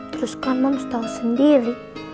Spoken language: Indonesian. terus kan moms tau sendiri